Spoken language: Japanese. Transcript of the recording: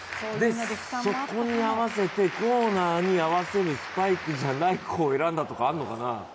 そこに合わせて、コーナーに合わせるスパイクじゃないのを選んだとかじゃないかな。